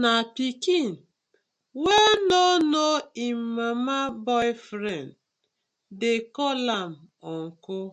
Na pikin wey no know im mama boyfriend dey call am uncle.